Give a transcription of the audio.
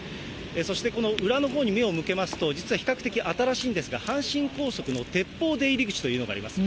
そしてこの裏のほうに目を向けますと、実は比較的新しいんですが、阪神高速の出入り口というのがあります。